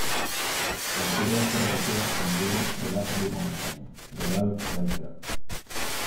La historia fue recogida en el libro "The Last Blue Mountain" de Ralph Barker.